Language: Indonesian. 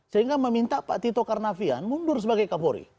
sehingga meminta pak tito karnavian mundur sebagai kapolri